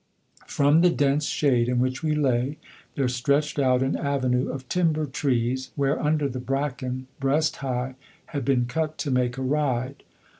From the dense shade in which we lay there stretched out an avenue of timber trees, whereunder the bracken, breast high, had been cut to make a ride.